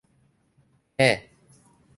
แฮ่ะ